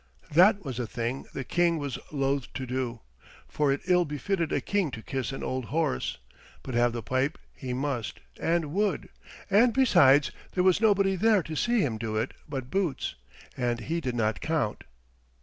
That was a thing the King was loath to do, for it ill befitted a king to kiss an old horse, but have the pipe he must and would; and besides there was nobody there to see him do it but Boots, and he did not count.